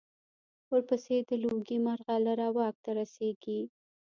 ورپسې د لوګي مرغلره واک ته رسېږي.